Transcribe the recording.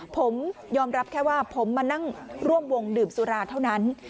ผมยอมรับแค่ว่าผมมานั่งร่วมวงดื่มสุราเท่านั้น